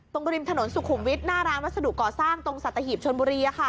ริมถนนสุขุมวิทย์หน้าร้านวัสดุก่อสร้างตรงสัตหีบชนบุรี